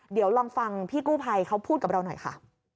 เดี๋ยวลองฟังพี่กู้ภัยเขาพูดกับเราหน่อยค่ะ